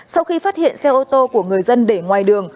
sau khi phát hiện xe ô tô của người dân để ngoài đường